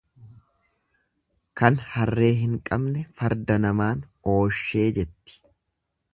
Kan harree hin qabne farda namaan ooshee jetti.